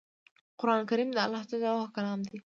قران کریم د الله ج کلام دی